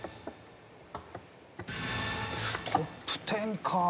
トップ１０か。